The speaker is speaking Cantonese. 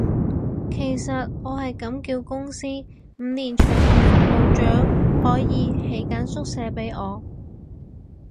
其實我係咁叫公司，五年長期服務獎可以起間宿舍畀我